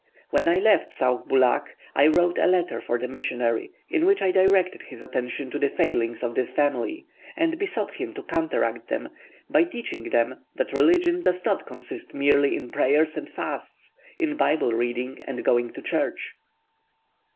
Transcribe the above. When I left Sauh Bulak, I wrote a letter for the missionary, in which I directed his attention to the failings of this family, and besought him to counteract them, by teaching them that religion does not consist merely in prayers and fasts, in bible reading, and going to church.